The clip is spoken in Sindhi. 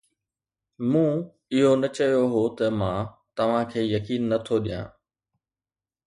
مون اهو نه چيو هو ته مان توهان کي يقين نه ٿو ڏيان